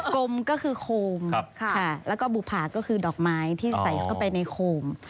กมก็คือโคมแล้วก็บุภาก็คือดอกไม้ที่ใส่เข้าไปในโคม